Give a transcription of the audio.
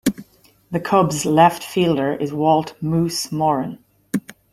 The Cubs left fielder is Walt "Moose" Moryn.